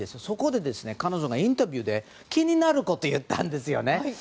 そこで彼女がインタビューで気になることを言ったんです。